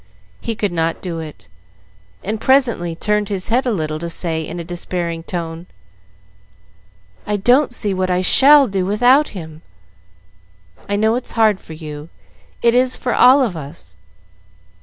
He could not do it, and presently turned his head a little to say, in a despairing tone, "I don't see what I shall do without him!" "I know it's hard for you. It is for all of us."